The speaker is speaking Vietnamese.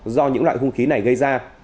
do những loại hung khí này gây ra